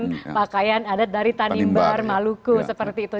saya menggunakan pakaian adat dari tanimbar maluku seperti itu